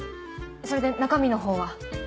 それで中身の方は。